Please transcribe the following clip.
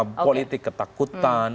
sebagai politik ketakutan